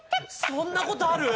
そんなことある？